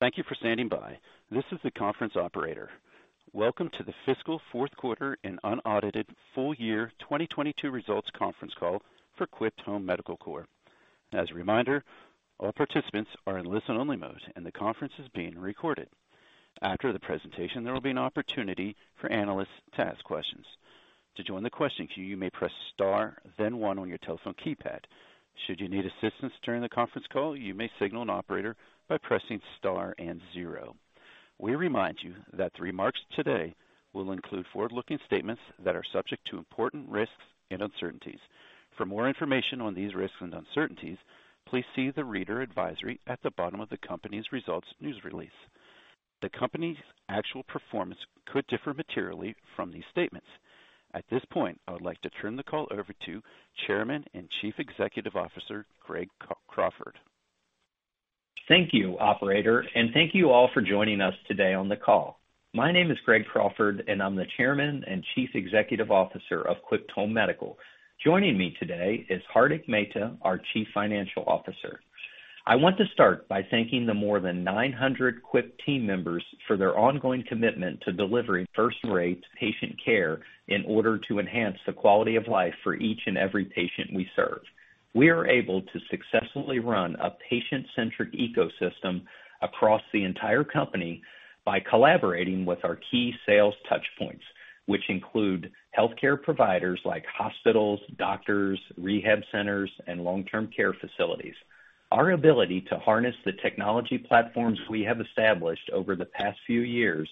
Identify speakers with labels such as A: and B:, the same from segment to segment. A: Thank you for standing by. This is the conference operator. Welcome to the Fiscal Fourth Quarter and unaudited Full Year 2022 Results Conference Call for Quipt Home Medical Corp. As a reminder, all participants are in listen-only mode, and the conference is being recorded. After the presentation, there will be an opportunity for analysts to ask questions. To join the question queue, you may press star, then one on your telephone keypad. Should you need assistance during the conference call, you may signal an operator by pressing star and zero. We remind you that the remarks today will include forward-looking statements that are subject to important risks and uncertainties. For more information on these risks and uncertainties, please see the reader advisory at the bottom of the company's results news release. The company's actual performance could differ materially from these statements. At this point, I would like to turn the call over to Chairman and Chief Executive Officer, Greg Crawford.
B: Thank you, operator, and thank you all for joining us today on the call. My name is Greg Crawford, and I'm the Chairman and Chief Executive Officer of Quipt Home Medical. Joining me today is Hardik Mehta, our Chief Financial Officer. I want to start by thanking the more than 900 Quipt team members for their ongoing commitment to delivering first-rate patient care in order to enhance the quality of life for each and every patient we serve. We are able to successfully run a patient-centric ecosystem across the entire company by collaborating with our key sales touchpoints, which include healthcare providers like hospitals, doctors, rehab centers, and long-term care facilities. Our ability to harness the technology platforms we have established over the past few years,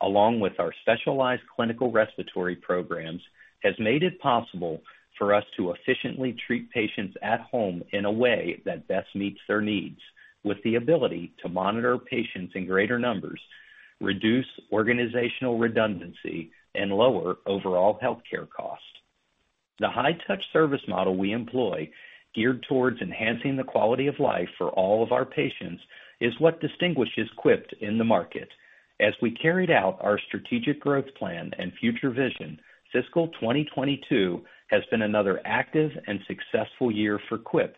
B: along with our specialized clinical respiratory programs, has made it possible for us to efficiently treat patients at home in a way that best meets their needs, with the ability to monitor patients in greater numbers, reduce organizational redundancy, and lower overall healthcare costs. The high-touch service model we employ, geared towards enhancing the quality of life for all of our patients, is what distinguishes Quipt in the market. As we carried out our strategic growth plan and future vision, fiscal 2022 has been another active and successful year for Quipt,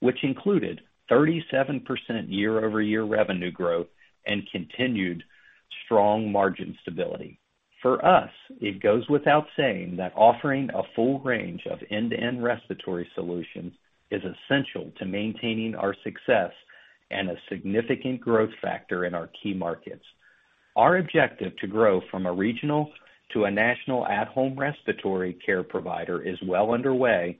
B: which included 37% year-over-year revenue growth and continued strong margin stability. For us, it goes without saying that offering a full range of end-to-end respiratory solutions is essential to maintaining our success and a significant growth factor in our key markets. Our objective to grow from a regional to a national at-home respiratory care provider is well underway.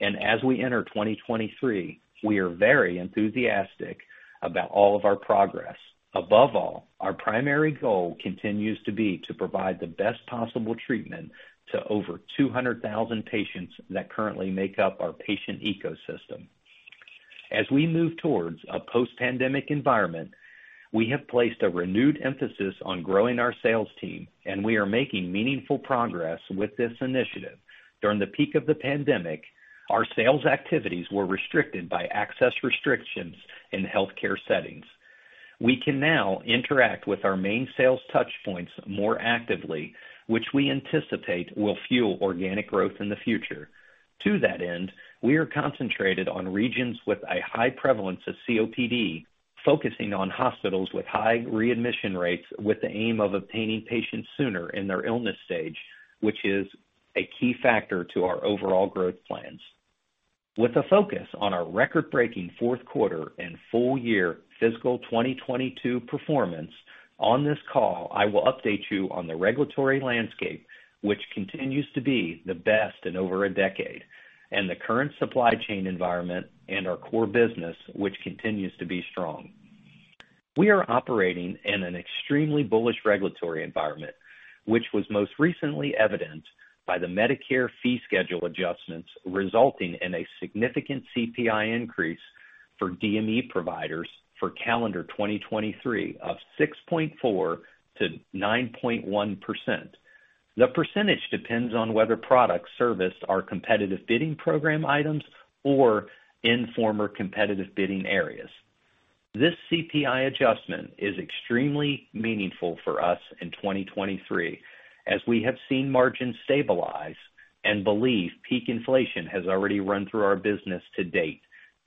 B: As we enter 2023, we are very enthusiastic about all of our progress. Above all, our primary goal continues to be to provide the best possible treatment to over 200,000 patients that currently make up our patient ecosystem. As we move towards a post-pandemic environment, we have placed a renewed emphasis on growing our sales team. We are making meaningful progress with this initiative. During the peak of the pandemic, our sales activities were restricted by access restrictions in healthcare settings. We can now interact with our main sales touchpoints more actively, which we anticipate will fuel organic growth in the future. To that end, we are concentrated on regions with a high prevalence of COPD, focusing on hospitals with high readmission rates, with the aim of obtaining patients sooner in their illness stage, which is a key factor to our overall growth plans. With a focus on our record-breaking fourth quarter and full year fiscal 2022 performance, on this call, I will update you on the regulatory landscape, which continues to be the best in over a decade, and the current supply chain environment and our core business, which continues to be strong. We are operating in an extremely bullish regulatory environment, which was most recently evidenced by the Medicare fee schedule adjustments, resulting in a significant CPI increase for DME providers for calendar 2023 of 6.4%-9.1%. The percentage depends on whether products serviced are Competitive Bidding Program items or in former competitive bidding areas. This CPI adjustment is extremely meaningful for us in 2023, as we have seen margins stabilize and believe peak inflation has already run through our business to date.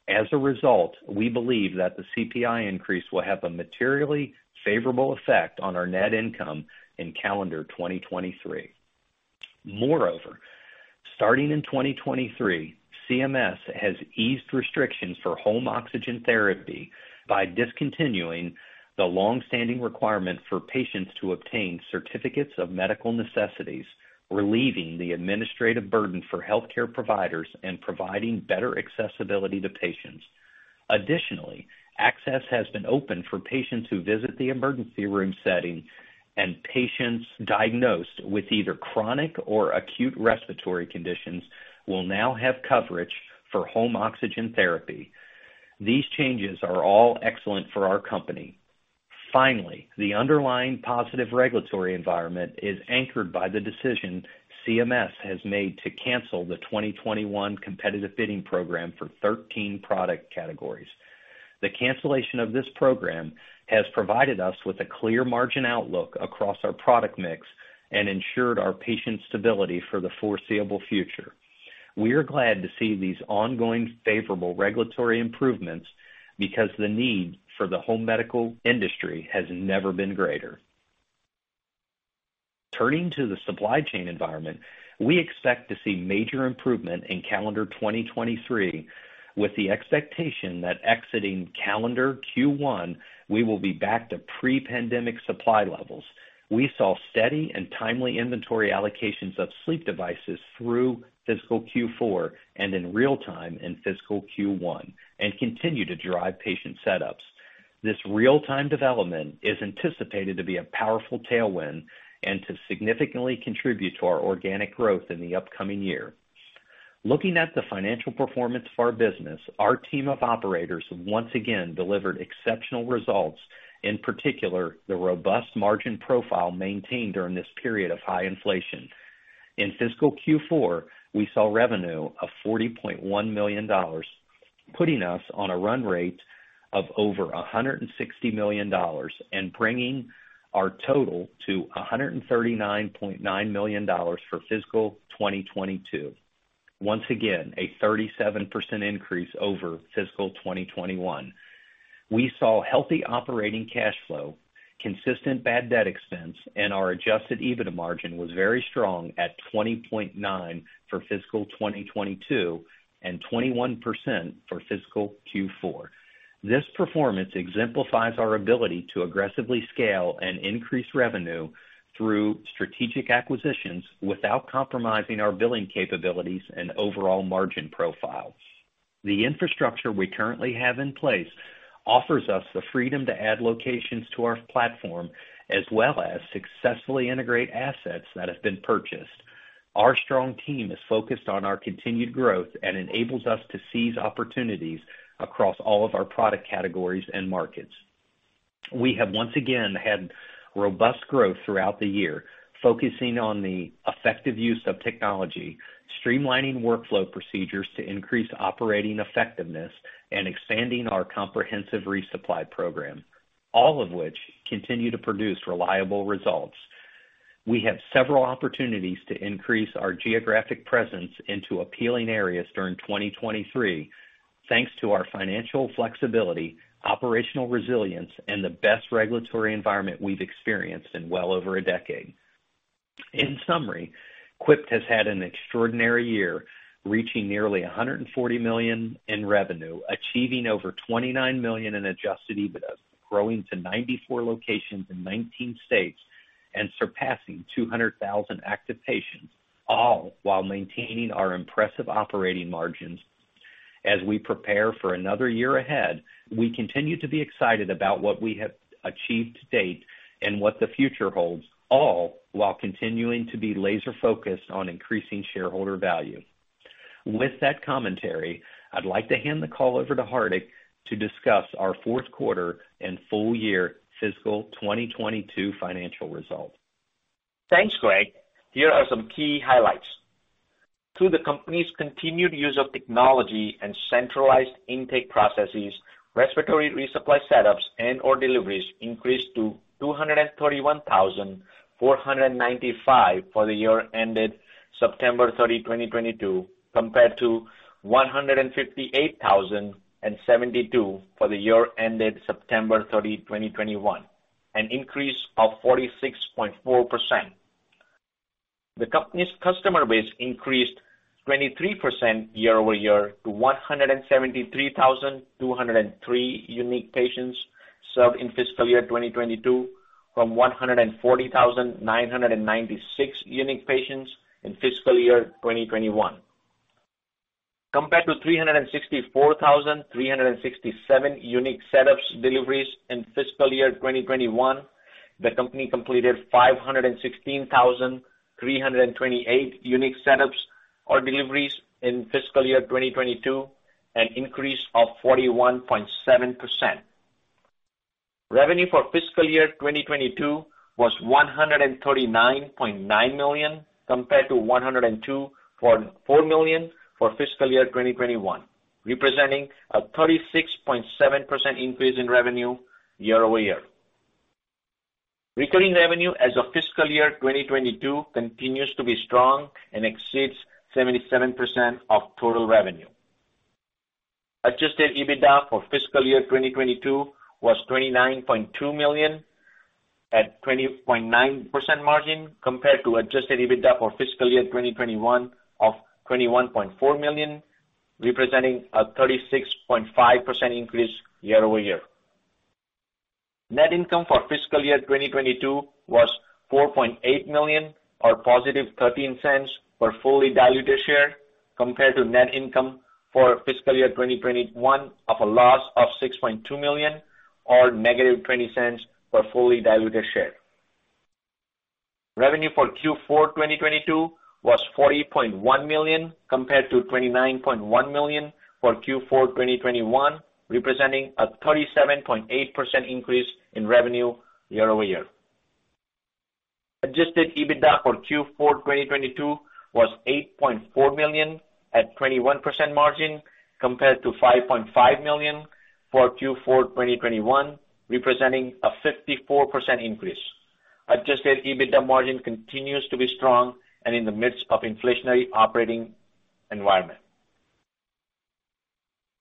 B: As a result, we believe that the CPI increase will have a materially favorable effect on our net income in calendar 2023. Starting in 2023, CMS has eased restrictions for home oxygen therapy by discontinuing the long-standing requirement for patients to obtain Certificate of Medical Necessity, relieving the administrative burden for healthcare providers and providing better accessibility to patients. Additionally, access has been opened for patients who visit the emergency room setting, and patients diagnosed with either chronic or acute respiratory conditions will now have coverage for home oxygen therapy. These changes are all excellent for our company. The underlying positive regulatory environment is anchored by the decision CMS has made to cancel the 2021 Competitive Bidding Program for 13 product categories. The cancellation of this program has provided us with a clear margin outlook across our product mix and ensured our patient stability for the foreseeable future. We are glad to see these ongoing favorable regulatory improvements because the need for the home medical industry has never been greater. Turning to the supply chain environment, we expect to see major improvement in calendar 2023, with the expectation that exiting calendar Q1, we will be back to pre-pandemic supply levels. We saw steady and timely inventory allocations of sleep devices through fiscal Q4 and in real time in fiscal Q1 and continue to drive patient setups. This real-time development is anticipated to be a powerful tailwind and to significantly contribute to our organic growth in the upcoming year. Looking at the financial performance of our business, our team of operators once again delivered exceptional results, in particular, the robust margin profile maintained during this period of high inflation. In fiscal Q4, we saw revenue of $40.1 million, putting us on a run rate of over $160 million and bringing our total to $139.9 million for fiscal 2022. Once again, a 37% increase over fiscal 2021. We saw healthy operating cash flow, consistent bad debt expense, and our adjusted EBITDA margin was very strong at 20.9% for fiscal 2022 and 21% for fiscal Q4. This performance exemplifies our ability to aggressively scale and increase revenue through strategic acquisitions without compromising our billing capabilities and overall margin profiles. The infrastructure we currently have in place offers us the freedom to add locations to our platform, as well as successfully integrate assets that have been purchased. Our strong team is focused on our continued growth and enables us to seize opportunities across all of our product categories and markets. We have once again had robust growth throughout the year, focusing on the effective use of technology, streamlining workflow procedures to increase operating effectiveness, and expanding our comprehensive resupply program, all of which continue to produce reliable results. We have several opportunities to increase our geographic presence into appealing areas during 2023, thanks to our financial flexibility, operational resilience, and the best regulatory environment we've experienced in well over a decade. In summary, Quipt has had an extraordinary year, reaching nearly $140 million in revenue, achieving over $29 million in adjusted EBITDA, growing to 94 locations in 19 states, and surpassing 200,000 active patients, all while maintaining our impressive operating margins. As we prepare for another year ahead, we continue to be excited about what we have achieved to date and what the future holds, all while continuing to be laser focused on increasing shareholder value. With that commentary, I'd like to hand the call over to Hardik to discuss our fourth quarter and full year fiscal 2022 financial results.
C: Thanks, Greg. Here are some key highlights. Through the company's continued use of technology and centralized intake processes, respiratory resupply setups and or deliveries increased to 231,495 for the year ended September 30, 2022, compared to 158,072 for the year ended September 30, 2021, an increase of 46.4%. The company's customer base increased 23% year-over-year to 173,203 unique patients served in fiscal year 2022 from 140,996 unique patients in fiscal year 2021. Compared to 364,367 unique setups deliveries in fiscal year 2021, the company completed 516,328 unique setups or deliveries in fiscal year 2022, an increase of 41.7%. Revenue for fiscal year 2022 was $139.9 million compared to $102.4 million for fiscal year 2021, representing a 36.7% increase in revenue year-over-year. Recurring revenue as of fiscal year 2022 continues to be strong and exceeds 77% of total revenue. Adjusted EBITDA for fiscal year 2022 was $29.2 million at 20.9% margin, compared to adjusted EBITDA for fiscal year 2021 of $21.4 million, representing a 36.5% increase year-over-year. Net income for fiscal year 2022 was $4.8 million, or positive $0.13 per fully diluted share, compared to net income for fiscal year 2021 of a loss of $6.2 million, or -$0.20 per fully diluted share. Revenue for Q4 2022 was $40.1 million compared to $29.1 million for Q4 2021, representing a 37.8% increase in revenue year-over-year. Adjusted EBITDA for Q4 2022 was $8.4 million at 21% margin compared to $5.5 million for Q4 2021, representing a 54% increase. Adjusted EBITDA margin continues to be strong and in the midst of inflationary operating environment.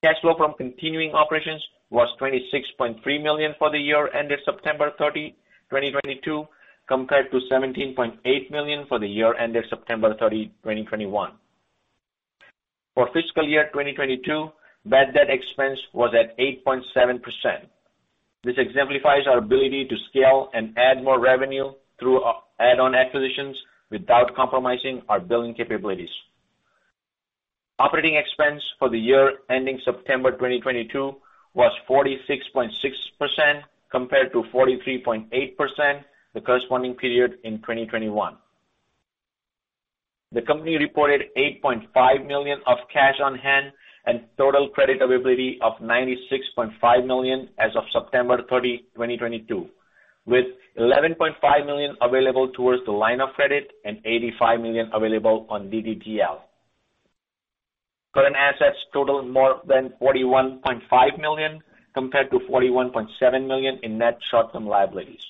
C: Cash flow from continuing operations was $26.3 million for the year ended September 30, 2022, compared to $17.8 million for the year ended September 30, 2021. For fiscal year 2022, bad debt expense was at 8.7%. This exemplifies our ability to scale and add more revenue through add-on acquisitions without compromising our billing capabilities. Operating expense for the year ending September 2022 was 46.6% compared to 43.8%, the corresponding period in 2021. The company reported $8.5 million of cash on hand and total credit availability of $96.5 million as of September 30, 2022, with $11.5 million available towards the line of credit and $85 million available on DDTL. Current assets total more than $41.5 million compared to $41.7 million in net short-term liabilities.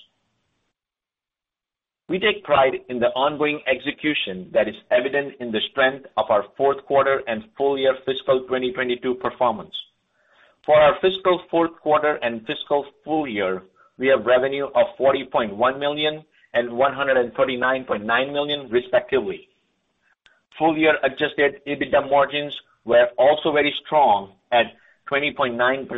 C: We take pride in the ongoing execution that is evident in the strength of our fourth quarter and full year fiscal 2022 performance. For our fiscal fourth quarter and fiscal full year, we have revenue of $40.1 million and $139.9 million, respectively. Full year adjusted EBITDA margins were also very strong at 20.9%.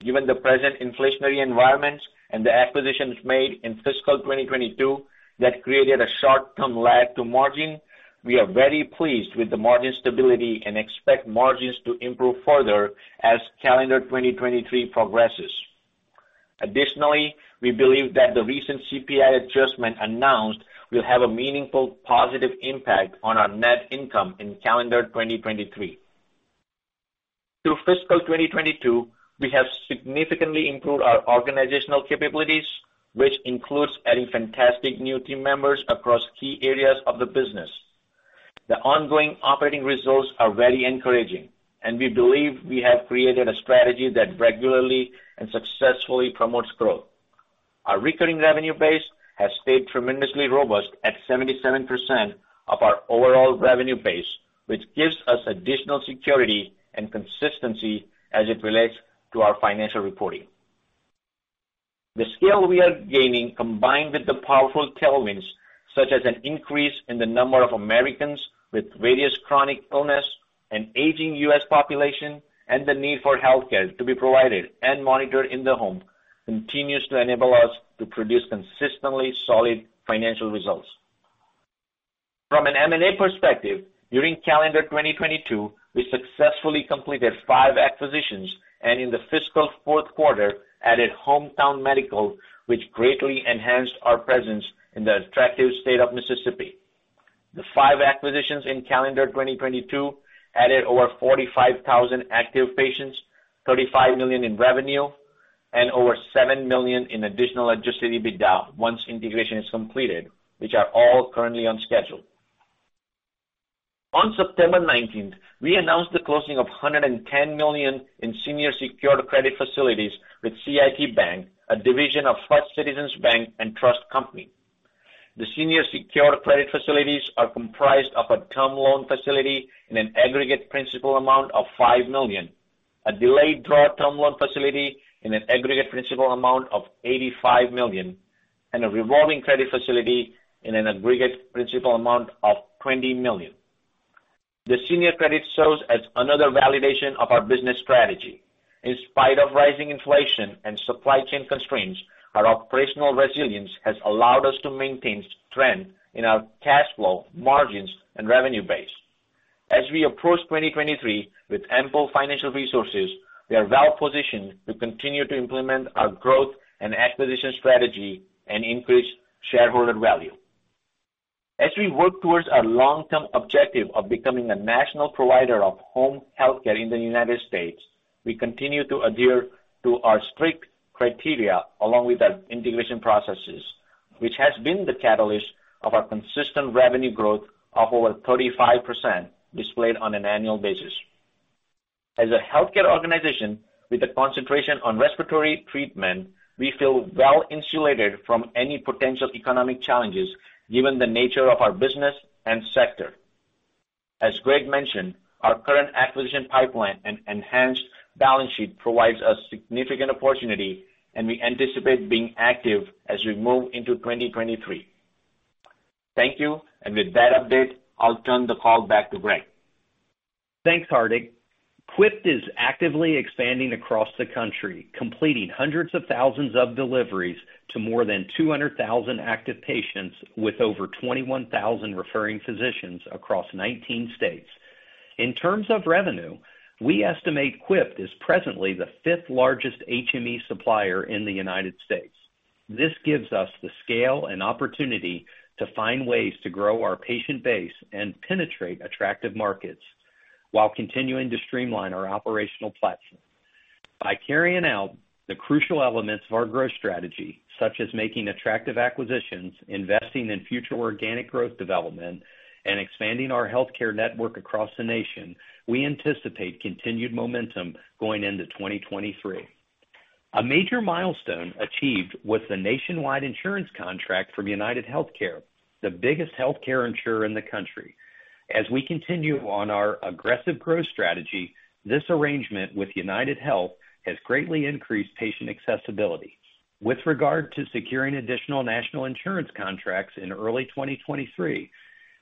C: Given the present inflationary environments and the acquisitions made in fiscal 2022 that created a short-term lag to margin, we are very pleased with the margin stability and expect margins to improve further as calendar 2023 progresses. Additionally, we believe that the recent CPI adjustment announced will have a meaningful positive impact on our net income in calendar 2023. Through fiscal 2022, we have significantly improved our organizational capabilities, which includes adding fantastic new team members across key areas of the business. The ongoing operating results are very encouraging, and we believe we have created a strategy that regularly and successfully promotes growth. Our recurring revenue base has stayed tremendously robust at 77% of our overall revenue base, which gives us additional security and consistency as it relates to our financial reporting. The scale we are gaining, combined with the powerful tailwinds, such as an increase in the number of Americans with various chronic illness, an aging U.S. population, and the need for healthcare to be provided and monitored in the home, continues to enable us to produce consistently solid financial results. From an M&A perspective, during calendar 2022, we successfully completed five acquisitions, and in the fiscal fourth quarter, added Hometown Medical, which greatly enhanced our presence in the attractive state of Mississippi. The 5 acquisitions in calendar 2022 added over 45,000 active patients, $35 million in revenue, and over $7 million in additional adjusted EBITDA once integration is completed, which are all currently on schedule. On September 19, we announced the closing of $110 million in senior secured credit facilities with CIT Bank, a division of First Citizens Bank and Trust Company. The senior secured credit facilities are comprised of a term loan facility in an aggregate principal amount of $5 million, a delayed draw term loan facility in an aggregate principal amount of $85 million, and a revolving credit facility in an aggregate principal amount of $20 million. The senior credit shows as another validation of our business strategy. In spite of rising inflation and supply chain constraints, our operational resilience has allowed us to maintain strength in our cash flow, margins, and revenue base. As we approach 2023 with ample financial resources, we are well positioned to continue to implement our growth and acquisition strategy and increase shareholder value. As we work towards our long-term objective of becoming a national provider of home healthcare in the United States, we continue to adhere to our strict criteria along with our integration processes, which has been the catalyst of our consistent revenue growth of over 35% displayed on an annual basis. As a healthcare organization with a concentration on respiratory treatment, we feel well insulated from any potential economic challenges given the nature of our business and sector. As Greg mentioned, our current acquisition pipeline and enhanced balance sheet provides us significant opportunity, and we anticipate being active as we move into 2023. Thank you. With that update, I'll turn the call back to Greg.
B: Thanks, Hardik. Quipt is actively expanding across the country, completing hundreds of thousands of deliveries to more than 200,000 active patients with over 21,000 referring physicians across 19 states. In terms of revenue, we estimate Quipt is presently the fifth-largest HME supplier in the United States. This gives us the scale and opportunity to find ways to grow our patient base and penetrate attractive markets while continuing to streamline our operational platform. By carrying out the crucial elements of our growth strategy, such as making attractive acquisitions, investing in future organic growth development, and expanding our healthcare network across the nation, we anticipate continued momentum going into 2023. A major milestone achieved was the nationwide insurance contract from UnitedHealthcare, the biggest healthcare insurer in the country. As we continue on our aggressive growth strategy, this arrangement with UnitedHealth has greatly increased patient accessibility. With regard to securing additional national insurance contracts in early 2023,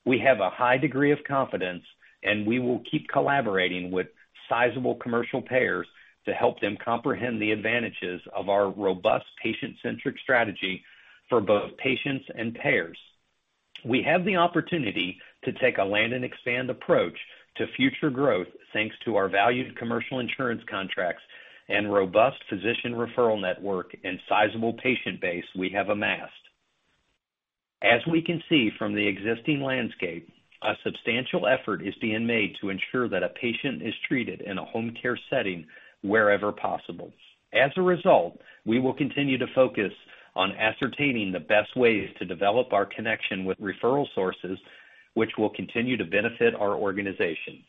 B: we have a high degree of confidence. We will keep collaborating with sizable commercial payers to help them comprehend the advantages of our robust patient-centric strategy for both patients and payers. We have the opportunity to take a land and expand approach to future growth thanks to our valued commercial insurance contracts and robust physician referral network and sizable patient base we have amassed. As we can see from the existing landscape, a substantial effort is being made to ensure that a patient is treated in a home care setting wherever possible. As a result, we will continue to focus on ascertaining the best ways to develop our connection with referral sources, which will continue to benefit our organization.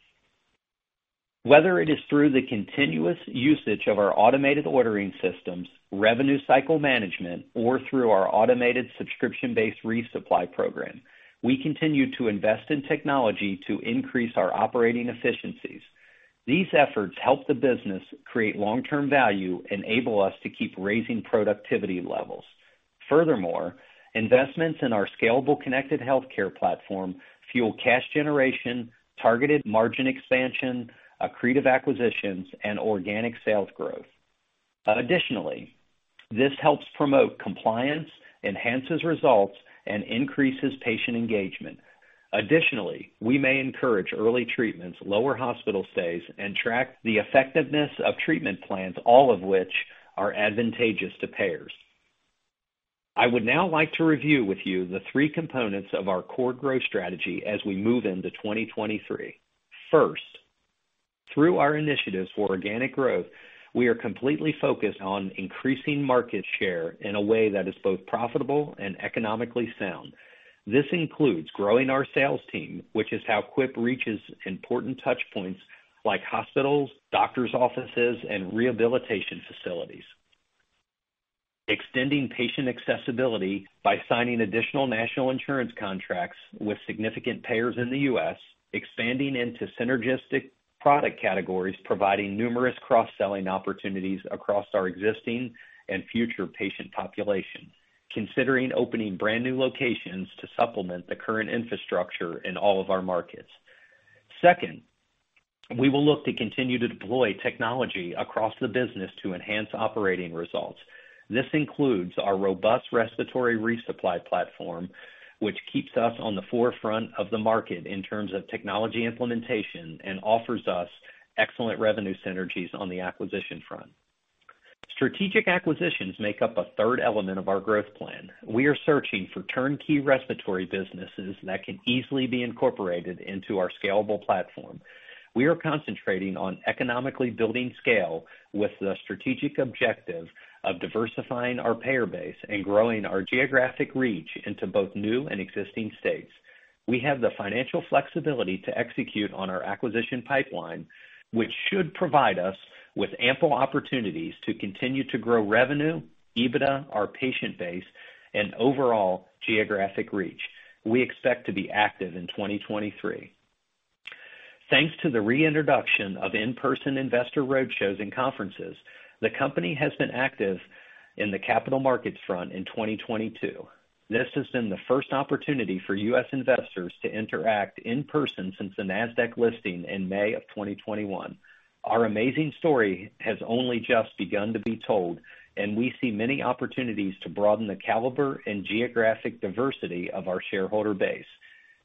B: Whether it is through the continuous usage of our automated ordering systems, revenue cycle management, or through our automated subscription-based resupply program, we continue to invest in technology to increase our operating efficiencies. These efforts help the business create long-term value and enable us to keep raising productivity levels. Investments in our scalable connected healthcare platform fuel cash generation, targeted margin expansion, accretive acquisitions, and organic sales growth. This helps promote compliance, enhances results, and increases patient engagement. We may encourage early treatments, lower hospital stays, and track the effectiveness of treatment plans, all of which are advantageous to payers. I would now like to review with you the three components of our core growth strategy as we move into 2023. First, through our initiatives for organic growth, we are completely focused on increasing market share in a way that is both profitable and economically sound. This includes growing our sales team, which is how Quipt reaches important touch points like hospitals, doctor's offices, and rehabilitation facilities. Extending patient accessibility by signing additional national insurance contracts with significant payers in the U.S., expanding into synergistic product categories, providing numerous cross-selling opportunities across our existing and future patient populations, considering opening brand-new locations to supplement the current infrastructure in all of our markets. Second, we will look to continue to deploy technology across the business to enhance operating results. This includes our robust respiratory resupply platform, which keeps us on the forefront of the market in terms of technology implementation and offers us excellent revenue synergies on the acquisition front. Strategic acquisitions make up a third element of our growth plan. We are searching for turnkey respiratory businesses that can easily be incorporated into our scalable platform. We are concentrating on economically building scale with the strategic objective of diversifying our payer base and growing our geographic reach into both new and existing states. We have the financial flexibility to execute on our acquisition pipeline, which should provide us with ample opportunities to continue to grow revenue, EBITDA, our patient base, and overall geographic reach. We expect to be active in 2023. Thanks to the reintroduction of in-person investor roadshows and conferences, the company has been active in the capital markets front in 2022. This has been the first opportunity for U.S. investors to interact in person since the NASDAQ listing in May of 2021. We see many opportunities to broaden the caliber and geographic diversity of our shareholder base.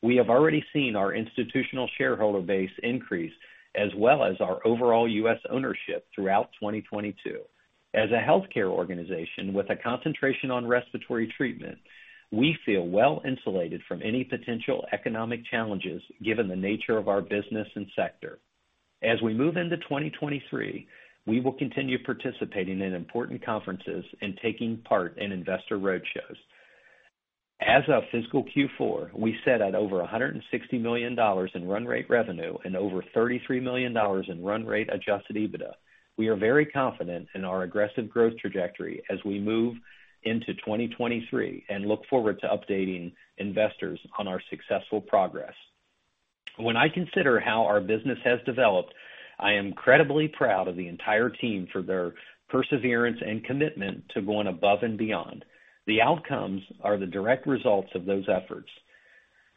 B: We have already seen our institutional shareholder base increase as well as our overall U.S. ownership throughout 2022. As a healthcare organization with a concentration on respiratory treatment, we feel well insulated from any potential economic challenges given the nature of our business and sector. As we move into 2023, we will continue participating in important conferences and taking part in investor roadshows. As of fiscal Q4, we set at over $160 million in run rate revenue and over $33 million in run rate adjusted EBITDA. We are very confident in our aggressive growth trajectory as we move into 2023 and look forward to updating investors on our successful progress. When I consider how our business has developed, I am incredibly proud of the entire team for their perseverance and commitment to going above and beyond. The outcomes are the direct results of those efforts.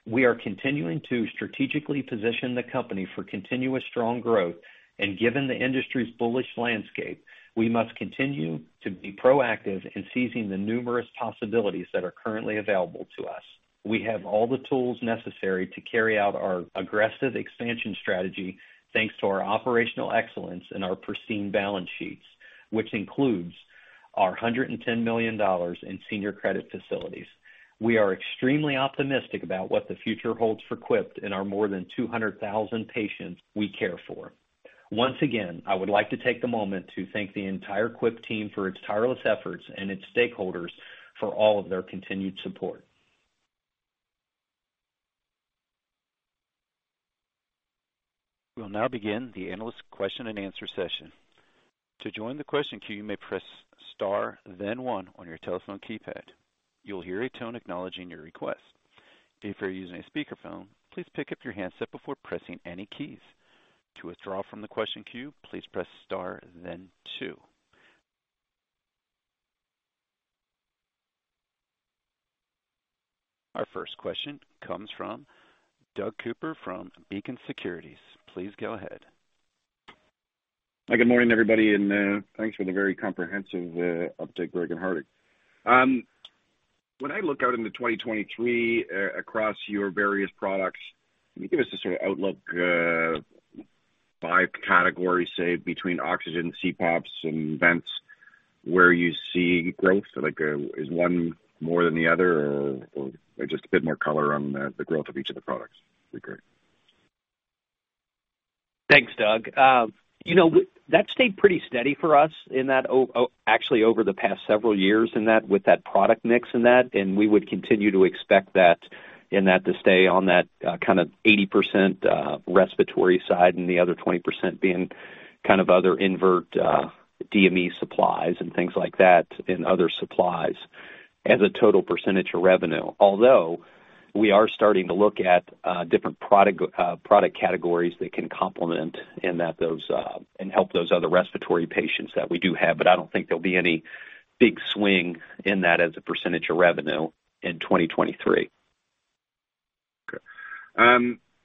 B: We are continuing to strategically position the company for continuous strong growth. Given the industry's bullish landscape, we must continue to be proactive in seizing the numerous possibilities that are currently available to us. We have all the tools necessary to carry out our aggressive expansion strategy thanks to our operational excellence and our pristine balance sheets, which includes our $110 million in senior credit facilities. We are extremely optimistic about what the future holds for Quipt and our more than 200,000 patients we care for. Once again, I would like to take a moment to thank the entire Quipt team for its tireless efforts and its stakeholders for all of their continued support.
A: We will now begin the analyst question-and-answer session. To join the question queue, you may press star then one on your telephone keypad. You will hear a tone acknowledging your request. If you're using a speakerphone, please pick up your handset before pressing any keys. To withdraw from the question queue, please press star then two. Our first question comes from Doug Cooper from Beacon Securities. Please go ahead.
D: Hi, good morning, everybody. Thanks for the very comprehensive update, Greg and Hardik. When I look out into 2023 across your various products, can you give us a sort of outlook by category, say between oxygen, CPAPs and vents, where you see growth? Is one more than the other or just a bit more color on the growth of each of the products? That'd be great.
B: Thanks, Doug. You know, that stayed pretty steady for us in that actually over the past several years in that, with that product mix in that, and we would continue to expect that and that to stay on that, kind of 80% respiratory side and the other 20% being kind of other invert, DME supplies and things like that, and other supplies as a total percentage of revenue. Although, we are starting to look at different product categories that can complement in that those, and help those other respiratory patients that we do have. I don't think there'll be any big swing in that as a percentage of revenue in 2023.
D: Okay.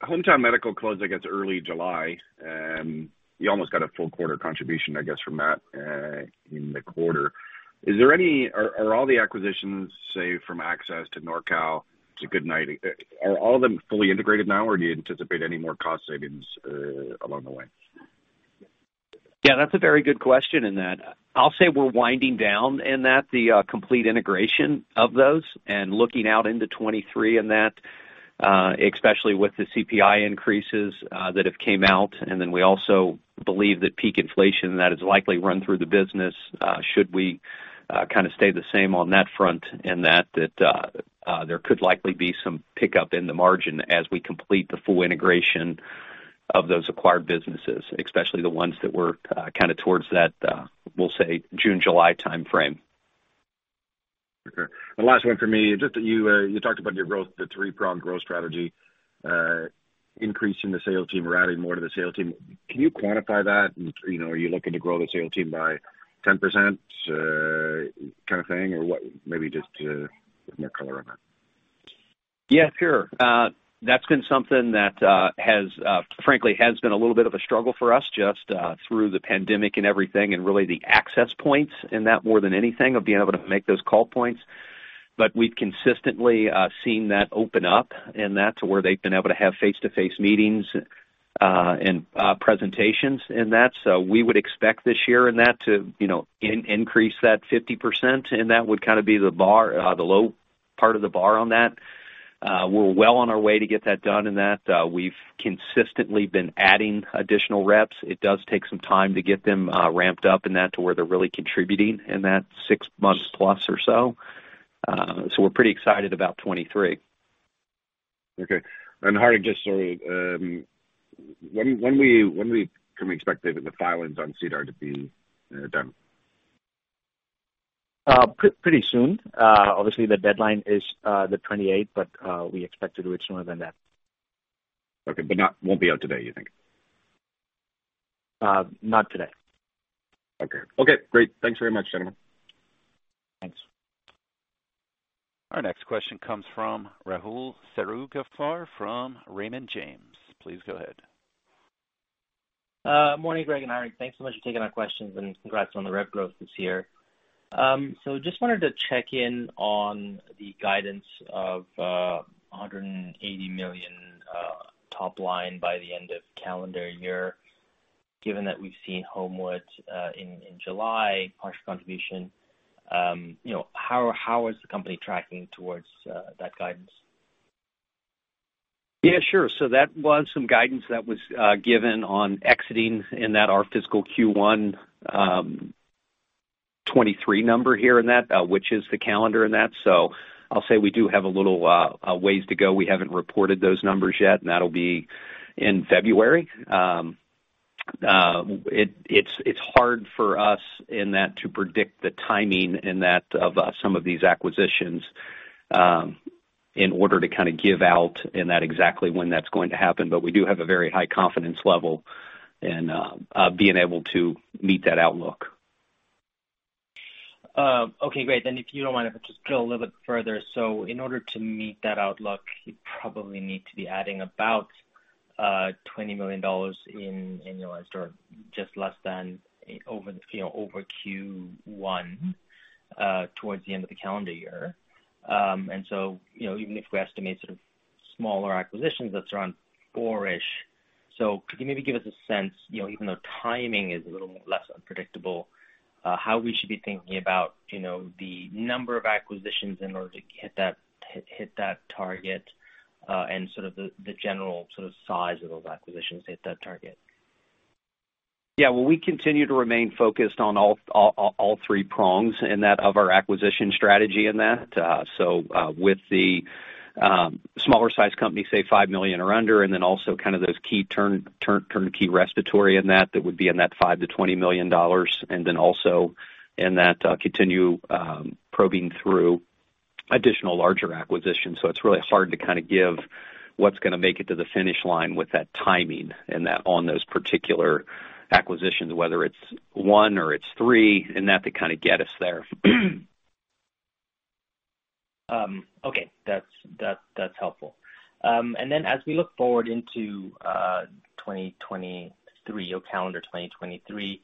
D: Hometown Medical closed, I guess, early July, and you almost got a full quarter contribution, I guess, from that, in the quarter. Are all the acquisitions, say, from Access to NorCal to Good Night, are all of them fully integrated now, or do you anticipate any more cost savings along the way?
B: That's a very good question in that. I'll say we're winding down and that the complete integration of those and looking out into 2023 in that, especially with the CPI increases that have came out. We also believe that peak inflation that is likely run through the business, should we kinda stay the same on that front, in that there could likely be some pickup in the margin as we complete the full integration of those acquired businesses, especially the ones that were kinda towards that, we'll say June, July timeframe.
D: Okay. The last one for me, just that you talked about your growth, the three-pronged growth strategy, increasing the sales team or adding more to the sales team. Can you quantify that? You know, are you looking to grow the sales team by 10%, kind of thing? Or what maybe just, with more color on that?
B: Yeah, sure. That's been something that has, frankly, has been a little bit of a struggle for us just through the pandemic and everything, and really the access points in that more than anything, of being able to make those call points. We've consistently seen that open up, and that's where they've been able to have face-to-face meetings and presentations in that. We would expect this year in that to, you know, increase that 50%, and that would kinda be the bar, the low part of the bar on that. We're well on our way to get that done in that. We've consistently been adding additional reps. It does take some time to get them ramped up in that to where they're really contributing in that six months plus or so. We're pretty excited about 2023.
D: Okay. Hardik, just so, when can we expect the filings on SEDAR to be done?
C: Pretty soon. Obviously the deadline is the 28th, but we expect to do it sooner than that.
D: Okay. won't be out today, you think?
C: Not today.
D: Okay. Okay, great. Thanks very much, gentlemen.
C: Thanks.
A: Our next question comes from Rahul Sarugaser from Raymond James. Please go ahead.
E: Good morning, Greg and Hardik. Thanks so much for taking our questions, and congrats on the rev growth this year. Just wanted to check in on the guidance of $180 million top line by the end of calendar year, given that we've seen Hometown Medical in July, partial contribution. You know, how is the company tracking towards that guidance?
B: Yeah, sure. That was some guidance that was given on exiting in that our fiscal Q1, 2023 number here in that, which is the calendar in that. I'll say we do have a little ways to go. We haven't reported those numbers yet, and that'll be in February. It's hard for us in that to predict the timing in that of some of these acquisitions, in order to kinda give out in that exactly when that's going to happen. We do have a very high confidence level in being able to meet that outlook.
E: Okay, great. If you don't mind, if I just drill a little bit further. In order to meet that outlook, you probably need to be adding about $20 million in annualized or just less than over, you know, over Q1 towards the end of the calendar year. You know, even if we estimate sort of smaller acquisitions, that's around 4-ish. Could you maybe give us a sense, you know, even though timing is a little less unpredictable, how we should be thinking about, you know, the number of acquisitions in order to hit that target, and sort of the general sort of size of those acquisitions to hit that target?
B: Yeah. Well, we continue to remain focused on all three prongs in that of our acquisition strategy. With the smaller sized companies say $5 million or under, and then also kind of those key turnkey respiratory that would be $5 million-$20 million. Also continue probing through additional larger acquisitions. It's really hard to kind of give what's gonna make it to the finish line with that timing on those particular acquisitions, whether it's one or it's three to kind of get us there.
E: Okay. That's, that's helpful. As we look forward into 2023, your calendar 2023,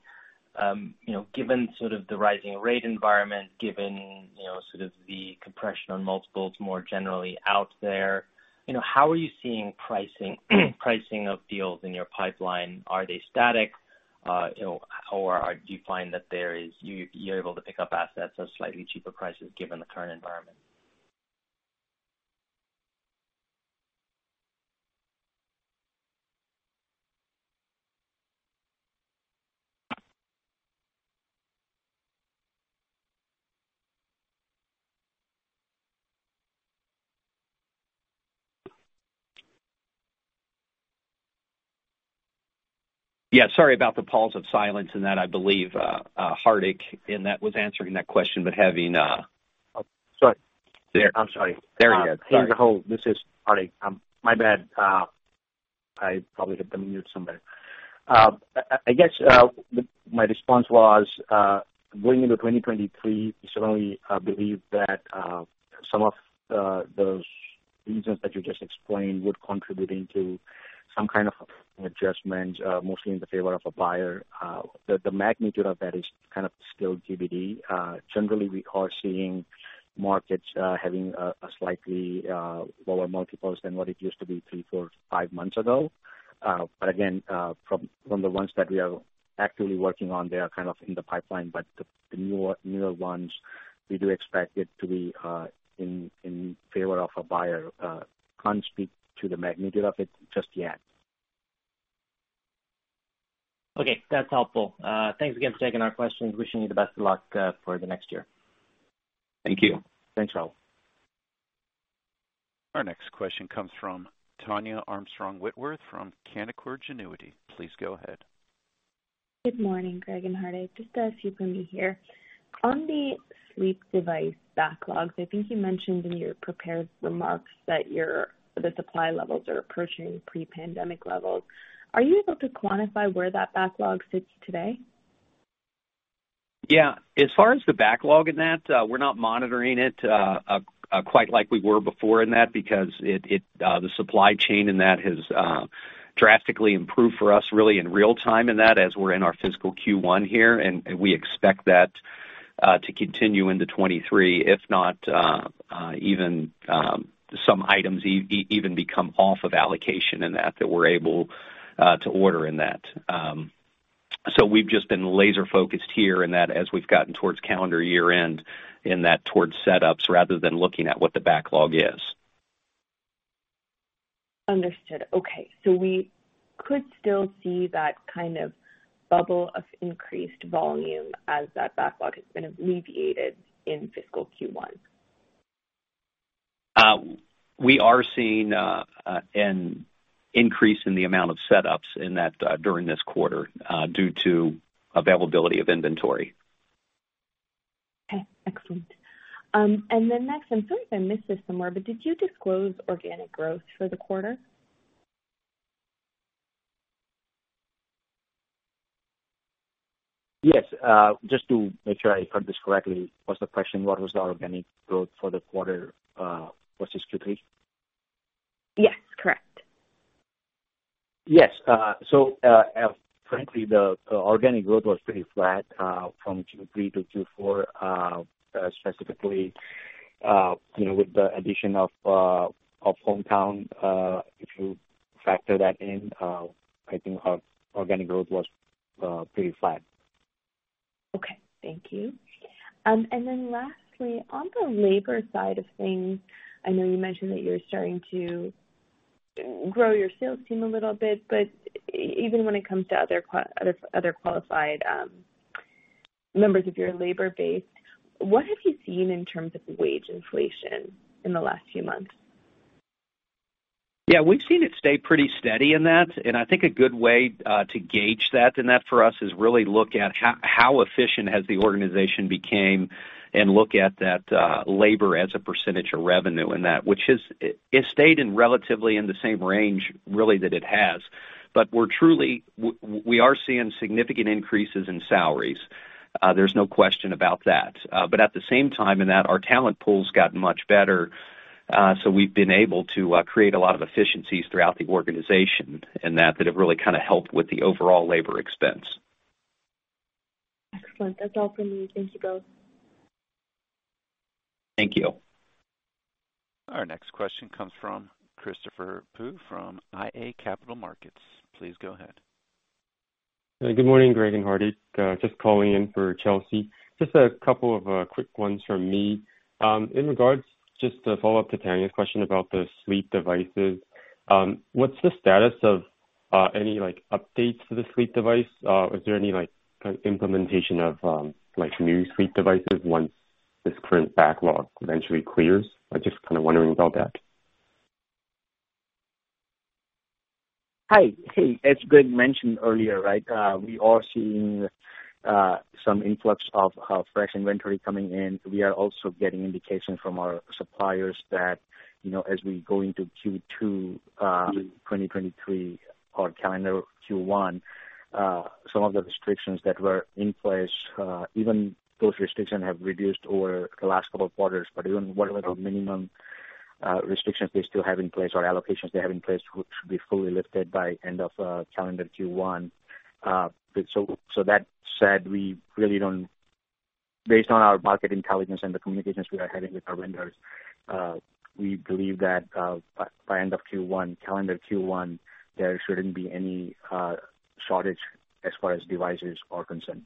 E: you know, given sort of the rising rate environment, given, you know, sort of the compression on multiples more generally out there, you know, how are you seeing pricing of deals in your pipeline? Are they static? You know, or do you find that there is... You're able to pick up assets at slightly cheaper prices given the current environment?
B: Yeah, sorry about the pause of silence and that. I believe, Hardik, in that, was answering that question, but having...
C: Oh, sorry.
B: There.
C: I'm sorry.
B: There we go. Sorry.
C: This is Hardik. My bad. I probably hit the mute somewhere. I guess my response was going into 2023, we certainly believe that some of those reasons that you just explained were contributing to some kind of adjustment, mostly in the favor of a buyer. The magnitude of that is kind of still TBD. Generally, we are seeing markets having a slightly lower multiples than what it used to be three, four, five months ago. Again, from the ones that we are actively working on, they are kind of in the pipeline. The newer ones, we do expect it to be in favor of a buyer. Can't speak to the magnitude of it just yet.
E: Okay, that's helpful. Thanks again for taking our questions. Wishing you the best of luck for the next year.
B: Thank you.
C: Thanks, Rahul.
A: Our next question comes from Tania Armstrong-Whitworth from Canaccord Genuity. Please go ahead.
F: Good morning, Greg and Hardik. Just a few from me here. On the sleep device backlogs, I think you mentioned in your prepared remarks that the supply levels are approaching pre-pandemic levels. Are you able to quantify where that backlog sits today?
B: As far as the backlog in that, we're not monitoring it, quite like we were before in that because it, the supply chain in that has drastically improved for us really in real time in that as we're in our fiscal Q1 here, and we expect that to continue into 2023. If not, even, some items even become off of allocation in that we're able to order in that. So we've just been laser focused here in that as we've gotten towards calendar year end in that towards setups rather than looking at what the backlog is.
F: Understood. Okay. we could still see that kind of bubble of increased volume as that backlog has been alleviated in fiscal Q1.
B: We are seeing an increase in the amount of setups in that during this quarter due to availability of inventory.
F: Okay, excellent. Next, I'm sorry if I missed this somewhere, but did you disclose organic growth for the quarter?
C: Yes. Just to make sure I heard this correctly, was the question what was the organic growth for the quarter versus Q3?
F: Yes, correct.
C: Yes. Frankly, the organic growth was pretty flat from Q3 to Q4, specifically, you know, with the addition of Hometown. You factor that in, I think our organic growth was pretty flat.
F: Okay. Thank you. Lastly, on the labor side of things, I know you mentioned that you're starting to grow your sales team a little bit, but even when it comes to other qualified members of your labor base, what have you seen in terms of wage inflation in the last few months?
B: Yeah, we've seen it stay pretty steady in that. I think a good way to gauge that in that for us is really look at how efficient has the organization became and look at that labor as a percentage of revenue in that. It stayed in relatively in the same range really that it has. We're truly we are seeing significant increases in salaries. There's no question about that. At the same time in that our talent pool's gotten much better, so we've been able to create a lot of efficiencies throughout the organization in that have really kind of helped with the overall labor expense.
F: Excellent. That's all for me. Thank you both.
B: Thank you.
A: Our next question comes from Christopher Pu from iA Capital Markets. Please go ahead.
G: Good morning, Greg and Hardik. Just calling in for Chelsea. Just a couple of quick ones from me. In regards just to follow up to Tania's question about the sleep devices, what's the status of any, like, updates to the sleep device? Is there any, like, kind of implementation of like new sleep devices once this current backlog eventually clears? I'm just kinda wondering about that.
C: Hi. Hey, as Greg mentioned earlier, right, we are seeing some influx of fresh inventory coming in. We are also getting indications from our suppliers that, you know, as we go into Q2, 2023 or calendar Q1, some of the restrictions that were in place, even those restrictions have reduced over the last couple of quarters. Even whatever minimum restrictions they still have in place or allocations they have in place should be fully lifted by end of calendar Q1. Based on our market intelligence and the communications we are having with our vendors, we believe that by end of Q1, calendar Q1, there shouldn't be any shortage as far as devices are concerned.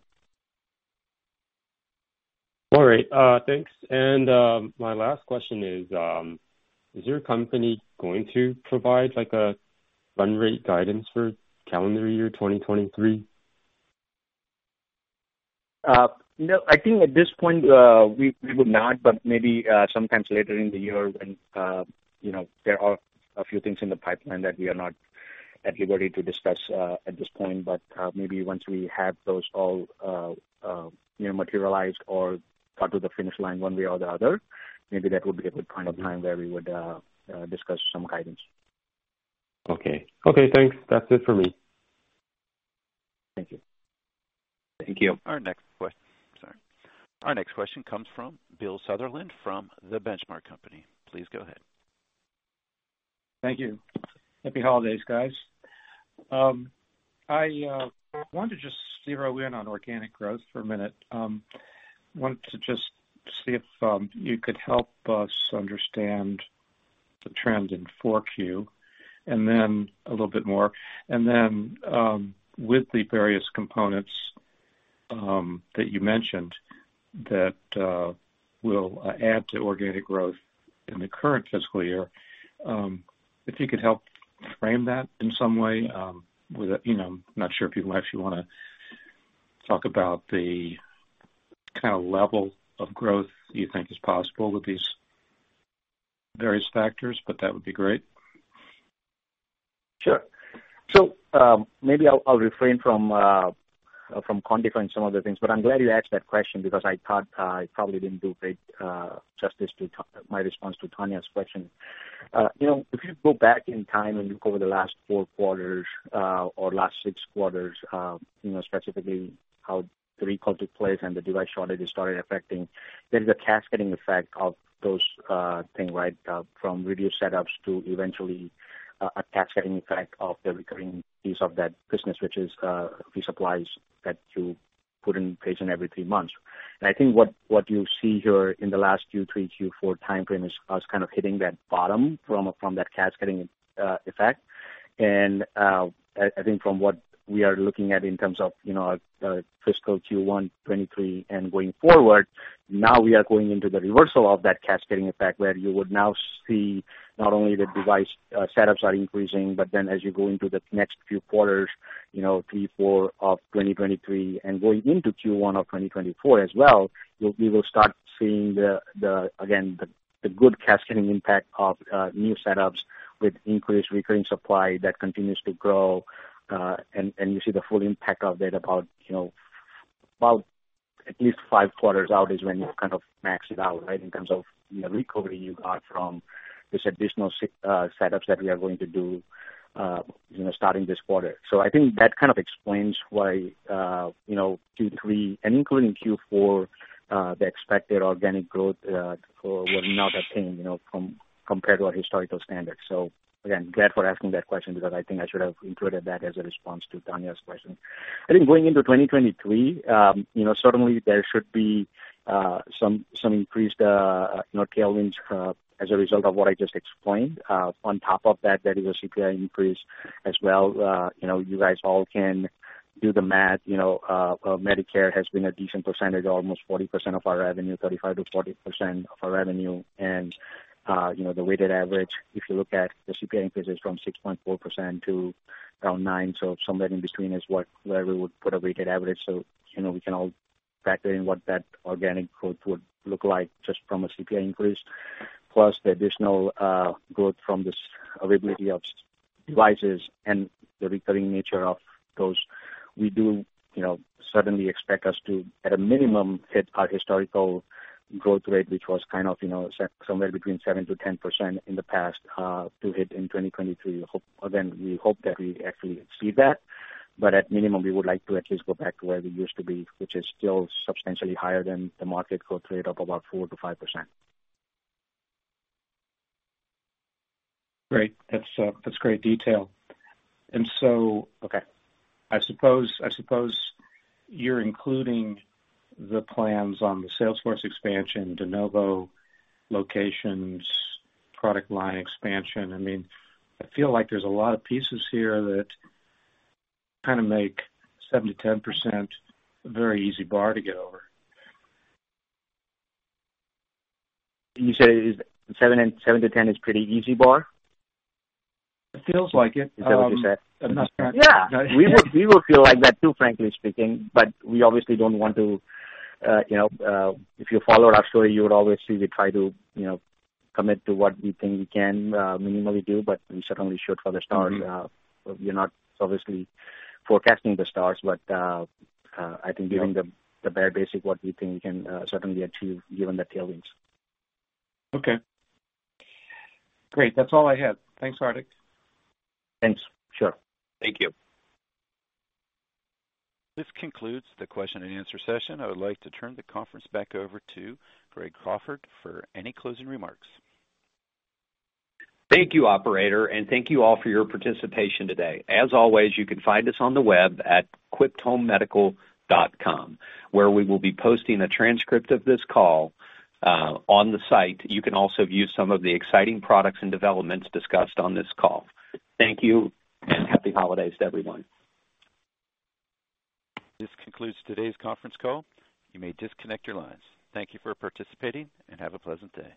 G: All right. Thanks. My last question is, like, is your company going to provide a run rate guidance for calendar year 2023?
C: No, I think at this point, we would not. Maybe, sometimes later in the year when, you know, there are a few things in the pipeline that we are not at liberty to discuss, at this point. Maybe once we have those all, you know, materialized or got to the finish line one way or the other, maybe that would be a good point of time where we would discuss some guidance.
G: Okay. Okay, thanks. That's it for me.
C: Thank you.
B: Thank you.
A: Our next question comes from Bill Sutherland from The Benchmark Company. Please go ahead.
H: Thank you. Happy holidays, guys. I wanted to just zero in on organic growth for a minute. wanted to just see if you could help us understand the trends in 4Q, and then a little bit more. With the various components that you mentioned that will add to organic growth in the current fiscal year, if you could help frame that in some way. You know, I'm not sure if you actually wanna talk about the kinda level of growth you think is possible with these various factors, but that would be great.
C: Sure. Maybe I'll refrain from quantifying some of the things, but I'm glad you asked that question because I thought I probably didn't do great justice to my response to Tania's question. You know, if you go back in time and look over the last four quarters, or last six quarters, you know, specifically how the recovery took place and the device shortage started affecting, there is a cascading effect of those things, right? From reduced setups to eventually a cascading effect of the recurring piece of that business, which is resupplies that you put in place in every three months. I think what you see here in the last Q3, Q4 timeframe is us kind of hitting that bottom from that cascading effect. I think from what we are looking at in terms of, you know, fiscal Q1 2023 and going forward, now we are going into the reversal of that cascading effect, where you would now see not only the device setups are increasing, but then as you go into the next few quarters, you know, Q4 of 2023 and going into Q1 of 2024 as well, we will start seeing the again, the good cascading impact of new setups with increased recurring supply that continues to grow. You see the full impact of that about, you know, about at least five quarters out is when you kind of max it out, right? In terms of the recovery you got from these additional setups that we are going to do, you know, starting this quarter. I think that kind of explains why Q3 and including Q4, the expected organic growth for were not attained from compared to our historical standards. Again, glad for asking that question because I think I should have included that as a response to Tania's question. Going into 2023, certainly there should be some increased tailwinds as a result of what I just explained. On top of that, there is a CPI increase as well. You guys all can do the math. Medicare has been a decent percentage, almost 40% of our revenue, 35%-40% of our revenue. You know, the weighted average, if you look at the CPI increases from 6.4% to around 9%, somewhere in between is where we would put a weighted average. You know, we can all factor in what that organic growth would look like just from a CPI increase, plus the additional growth from this availability of devices and the recurring nature of those. We do, you know, certainly expect us to, at a minimum, hit our historical growth rate, which was kind of, you know, somewhere between 7%-10% in the past to hit in 2023. Again, we hope that we actually exceed that. At minimum, we would like to at least go back to where we used to be, which is still substantially higher than the market growth rate of about 4%-5%.
H: Great. That's, that's great detail. Okay, I suppose you're including the plans on the sales force expansion, de novo locations, product line expansion. I mean, I feel like there's a lot of pieces here that kinda make 7%-10% a very easy bar to get over. You said is 7%-10% is pretty easy bar?
C: It feels like it.
H: Is that what you said? I'm not.
C: Yeah. We will feel like that too, frankly speaking, we obviously don't want to, you know. If you follow our story, you would always see we try to, you know, commit to what we think we can minimally do, we certainly shoot for the stars. We're not obviously forecasting the stars, I think giving the bare basic what we think we can certainly achieve given the tailwinds.
H: Okay. Great. That's all I had. Thanks, Hardik.
C: Thanks. Sure.
B: Thank you.
A: This concludes the question and answer session. I would like to turn the conference back over to Greg Crawford for any closing remarks.
B: Thank you, operator, and thank you all for your participation today. As always, you can find us on the web at quipthomemedical.com, where we will be posting a transcript of this call on the site. You can also view some of the exciting products and developments discussed on this call. Thank you and happy holidays to everyone.
A: This concludes today's conference call. You may disconnect your lines. Thank you for participating and have a pleasant day.